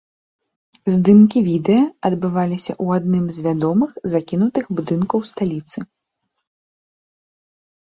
Здымкі відэа адбываліся ў адным з вядомых закінутых будынкаў сталіцы.